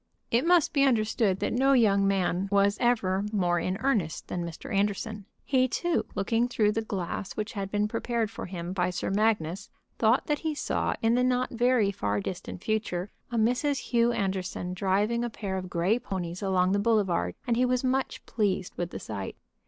It must be understood that no young man was ever more in earnest than Mr. Anderson. He, too, looking through the glass which had been prepared for him by Sir Magnus, thought that he saw in the not very far distant future a Mrs. Hugh Anderson driving a pair of gray ponies along the boulevard and he was much pleased with the sight.